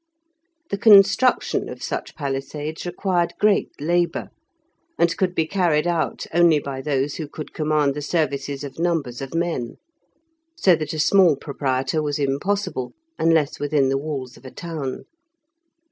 The construction of such palisades required great labour, and could be carried out only by those who could command the services of numbers of men, so that a small proprietor was impossible, unless within the walls of a town.